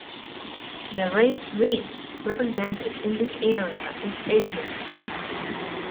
The race least represented in this area is Asian.